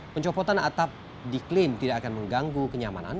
pencopotan atap diklaim tidak akan mengganggu kenyamanan